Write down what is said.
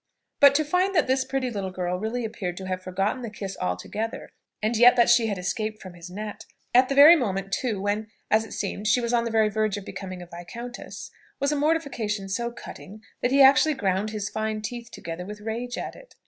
But to find that this pretty little girl really appeared to have forgotten the kiss altogether, and yet that she had escaped from his net at the very moment too when, as it seemed she was on the very verge of becoming a viscountess, was a mortification so cutting, that he actually ground his fine teeth together with rage at it.